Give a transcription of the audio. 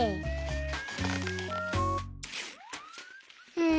うん。